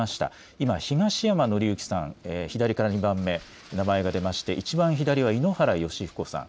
今、東山紀之さん左から２番目、名前が出まして、一番左は井ノ原快彦さん。